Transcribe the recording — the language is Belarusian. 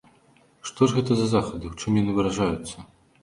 Што ж гэта за захады, у чым яны выражаюцца?